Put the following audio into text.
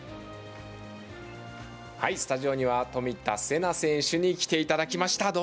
スタジオには冨田せな選手に来ていただきました。